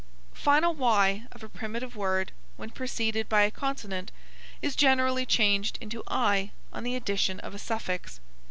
Final y of a primitive word, when preceded by a consonant, is generally changed into i on the addition of a suffix.